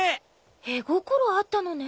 絵心あったのね